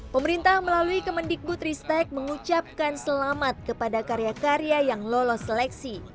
pemerintah melalui kemendikbud ristek mengucapkan selamat kepada karya karya yang lolos seleksi